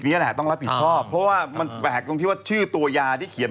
เนี้ยแหละต้องรับผิดชอบเพราะว่ามันแปลกตรงที่ว่าชื่อตัวยาที่เขียน